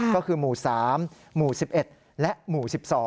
ก็คือหมู่๓หมู่๑๑และหมู่๑๒